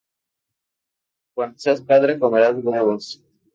Cuando seas padre, comerás huevos